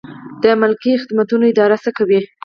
د ملکي خدمتونو اداره څه کوي؟